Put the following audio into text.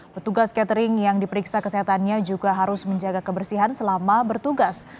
petugas catering yang diperiksa kesehatannya juga harus menjaga kebersihan selama bertugas